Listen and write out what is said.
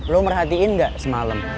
lo merhatiin gak semalam